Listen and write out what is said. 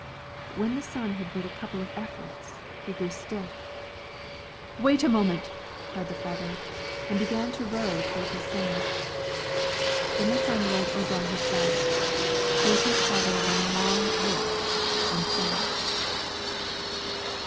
But when the son had made a couple of efforts he grew stiff. "Wait a moment!" cried the father, and began to row toward his son. Then the son rolled over on his back, gave his father one long look, and sank.